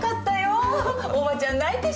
おばちゃん泣いてしもたわ。